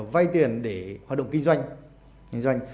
họ vay tiền để hoạt động kinh doanh